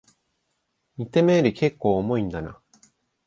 見た目よりけっこう重いんだな